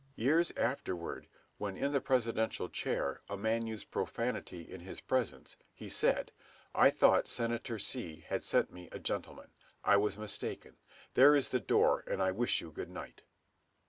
Years afterward, when in the Presidential chair, a man used profanity in his presence, he said, "I thought Senator C. had sent me a gentleman. I was mistaken. There is the door, and I wish you good night."